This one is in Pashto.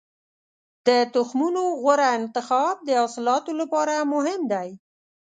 د تخمونو غوره انتخاب د حاصلاتو لپاره مهم دی.